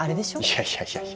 いやいやいや。